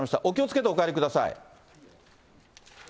お気をつけてお帰りください。